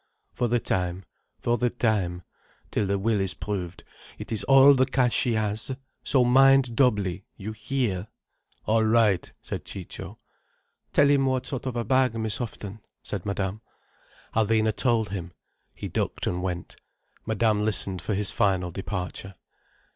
"For the time, for the time—till the will is proved, it is all the cash she has. So mind doubly. You hear?" "All right," said Ciccio. "Tell him what sort of a bag, Miss Houghton," said Madame. Alvina told him. He ducked and went. Madame listened for his final departure.